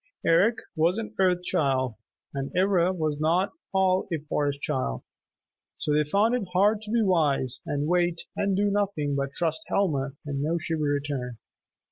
Eric was an Earth Child, and Ivra was not all a Forest Child. So they found it hard to be wise and wait and do nothing but trust Helma and know she would return.